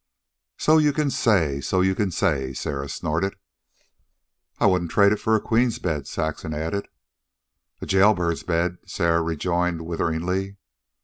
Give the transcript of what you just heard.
"So you can say, so you can say," Sarah snorted. "I wouldn't trade it for a queen's bed," Saxon added. "A jailbird's bed," Sarah rejoined witheringly.